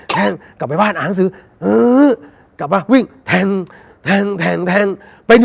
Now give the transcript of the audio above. แทงกลับไปบ้านอ่านหนังสือเออกลับมาวิ่งแทงแทงแทงแทง